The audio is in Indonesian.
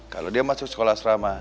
kalo dia masuk sekolah serama